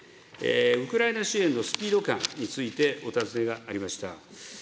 ウクライナ支援のスピード感についてお尋ねがありました。